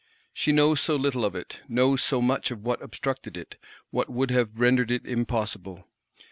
She knows so little of it, knows so much of what obstructed it, what would have rendered it impossible.